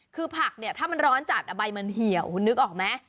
คือผักเนี่ยถ้ามันร้อนจัดใบมันเหี่ยวคุณนึกออกไหม